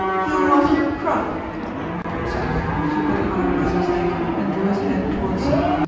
"You off your crump?" Suddenly she put an arm round his neck and drew his head towards her.